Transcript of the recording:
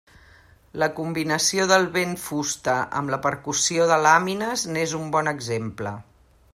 La combinació del vent-fusta amb la percussió de làmines n'és un bon exemple.